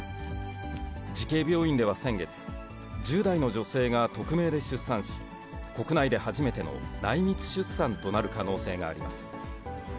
慈恵病院では先月、１０代の女性が匿名で出産し、国内で初めての内密出産となる可能性があります。